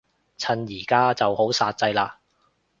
趁而家就好煞掣嘞